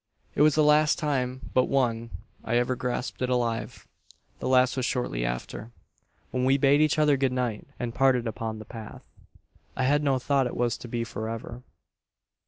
"It was the last time, but one, I ever grasped it alive. The last was shortly after when we bade each other good night, and parted upon the path. I had no thought it was to be for ever.